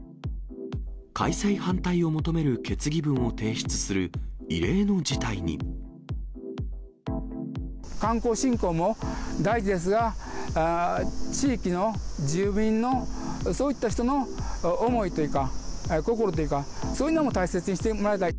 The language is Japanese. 開催反対を求める決議文を提観光振興も大事ですが、地域の住民のそういった人の思いというか心というか、そういうのも大切にしてもらいたい。